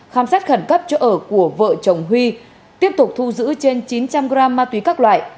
khám xét khẩn cấp chỗ ở của vợ chồng huy tiếp tục thu giữ trên chín trăm linh g ma túy các loại